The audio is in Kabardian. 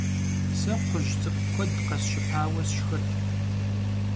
Se kxhuj ts'ık'u kued khesşıpaue sşşxırt.